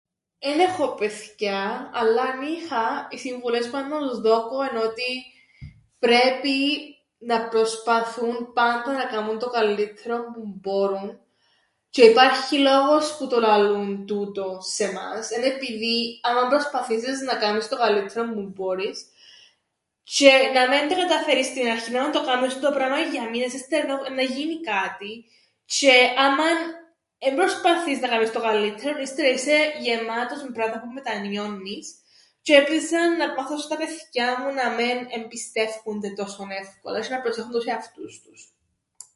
Εν έχω παιθκιά αλλά αν είχα οι συμβουλές που ήταν να τους δώκω εν' ότι πρέπει να προσπαθούν πάντα να κάμουν το καλλύττερον που μπόρουν τζ̆αι υπάρχει λόγος που το λαλούν τούτον σε εμάς, εν' επειδή άμαν προσπαθήσεις να κάμεις το καλλύττερον που μπόρεις τζ̆αι να μεν καταφέρεις στην αρχήν άμαν το κάμεις τούντο πράμαν για μήνες ύστερα εννά γίνει κάτι, τζ̆αι άμαν εν προσπαθείς να κάμεις το καλλύττερον ύστερα είσαι γεμάτος με πράματα που μετανιώννεις τζ̆αι επίσης ήταν να μάθω στα παιθκιά μου να μεν εμπιστεύκουνται τόσον εύκολα τζ̆αι να προσέχουν τους εαυτούς τους.